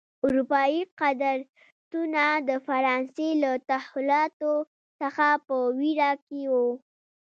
اروپايي قدرتونه د فرانسې له تحولاتو څخه په وېره کې و.